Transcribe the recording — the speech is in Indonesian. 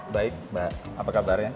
baik mbak apa kabarnya